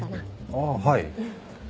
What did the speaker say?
あっはい。